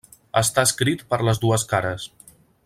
Està escrit per les dues cares.